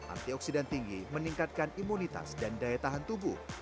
antioksidan tinggi meningkatkan imunitas dan daya tahan tubuh